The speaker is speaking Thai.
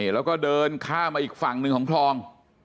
แล้วก็เดินข้ามมาอีกฝั่งหนึ่งของคลอง